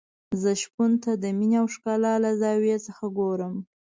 زه شپون ته د مينې او ښکلا له زاویې څخه ګورم.